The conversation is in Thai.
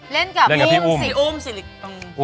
เล่นกับพี่อุ้มพี่อุ้มพี่อุ้ม